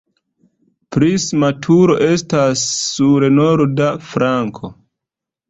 Prisma turo estas sur norda flanko.